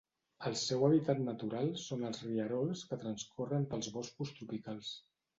El seu hàbitat natural són els rierols que transcorren pels boscos tropicals.